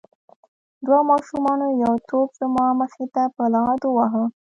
دوو ماشومانو یو توپ زما مخې ته په لغتو وواهه.